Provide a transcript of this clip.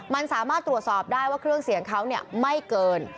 มันสามารถตรวจสอบได้ว่าเครื่องเสียงเขาไม่เกิน